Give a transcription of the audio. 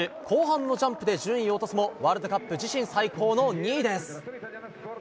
後半のジャンプで順位を落とすもワールドカップ自身最高の２位です。